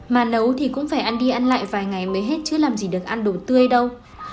mà nấu thì cũng phải ăn đi ăn lại vài ngày mới hết chưa làm gì được ăn đồ tươi đâu